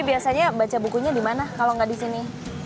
biasanya baca bukunya di mana kalau nggak di sini